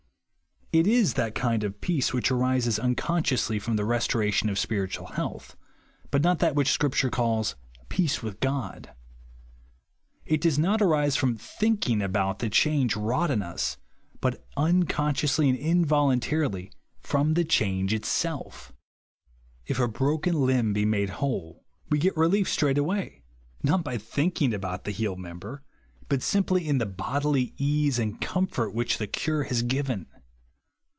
It is that kind of peace which arises unconsciously from the 24i man's own character restoration of sj)iritual health ; but not that which Scripture calls " peace with GoJ." It does not arise from thinking about the change wrought in us, but unconsciously and involuntarily from the change itself If a broken limb be made whole, we get relief straightway ; not by thinking about the healed member, but simply in the bodily ease and comfort which the cure has q iven.